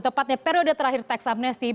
tepatnya periode terakhir tax amnesty